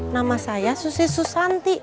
nama saya susi susanti